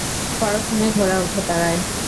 পরক্ষণেই ঘোড়া উঠে দাঁড়ায়।